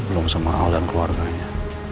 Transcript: belum sama aldan keluarganya